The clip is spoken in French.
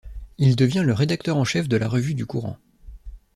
Il devient le rédacteur en chef de la revue du courant.